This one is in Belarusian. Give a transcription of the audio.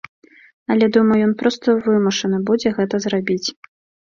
Але думаю, ён проста вымушаны будзе гэта зрабіць.